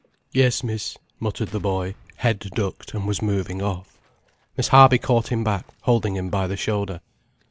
'" "Yes, miss," muttered the boy, head ducked, and was moving off. Miss Harby caught him back, holding him by the shoulder.